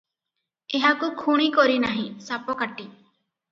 ଏହାକୁ ଖୁଣୀ କରିନାହିଁ, ସାପକାଟି ।"